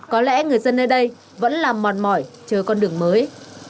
có lẽ người dân nơi đây vẫn làm mòn mỏi chờ con đường mới